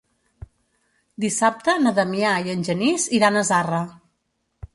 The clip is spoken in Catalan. Dissabte na Damià i en Genís iran a Zarra.